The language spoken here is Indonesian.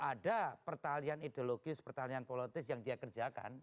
ada pertalian ideologis pertalian politis yang dia kerjakan